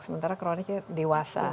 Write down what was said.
sementara kroniknya dewasa